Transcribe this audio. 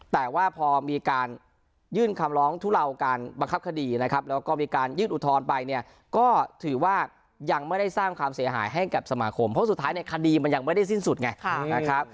แต่ว่าพอมีการยื่นคำร้องทุเลาการบังคับคดีนะครับแล้วก็มีการยื่นอุทธรณ์ไปเนี่ยก็ถือว่ายังไม่ได้สร้างความเสียหายให้กับสมาคมเพราะสุดท้ายเนี่ยคดีมันยังไม่ได้สิ้นสุดไงนะครับ